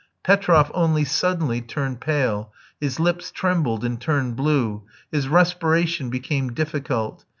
Petroff only suddenly turned pale, his lips trembled, and turned blue, his respiration became difficult.